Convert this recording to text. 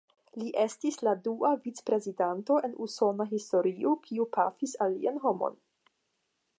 Li estis la dua vicprezidanto en Usona historio kiu pafis alian homon.